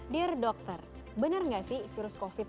dear dokter benar nggak sih virus covid